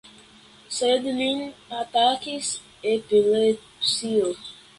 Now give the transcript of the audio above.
Sed lin atakis epilepsio!